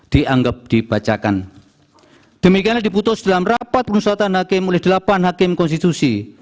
dianggap dibacakan demikian diputus dalam rapat pengusutan hakim oleh delapan hakim konstitusi